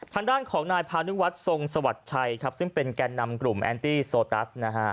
ทางด้านของนายพานุวัฒน์ทรงสวัสดิ์ชัยครับซึ่งเป็นแก่นำกลุ่มแอนตี้โซตัสนะฮะ